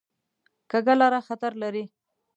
کوږه لاره خطر لري